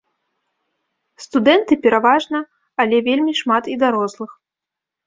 Студэнты пераважна, але вельмі шмат і дарослых.